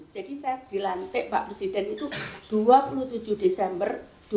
jadi saya dilantik pak presiden itu dua puluh tujuh desember dua ribu dua puluh